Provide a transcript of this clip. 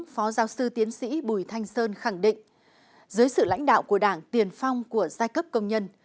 phó giáo sư tiến sĩ bùi thanh sơn khẳng định dưới sự lãnh đạo của đảng tiền phong của giai cấp công nhân